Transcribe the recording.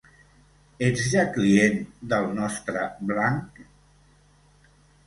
Ets ja client del nostre blanc?